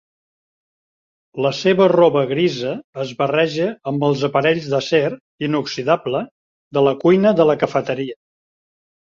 La seva roba grisa es barreja amb els aparells d'acer inoxidable de la cuina de la cafeteria.